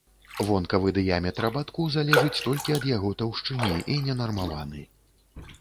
Вонкавы дыяметр абадку залежыць толькі ад яго таўшчыні і не нармаваны.